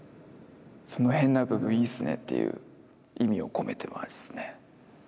その変な部分いいっすねっていう意味を込めてますね。